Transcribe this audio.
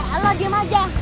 alah diam aja